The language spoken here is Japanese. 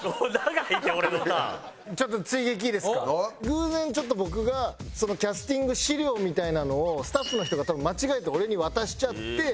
偶然ちょっと僕がキャスティング資料みたいなのをスタッフの人が多分間違えて俺に渡しちゃって。